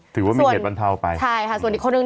ถือว่ามีเหตุบรรเทาไปใช่ค่ะส่วนอีกคนนึง